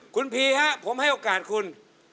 คุณพีฮะผมให้โอกาสคุณ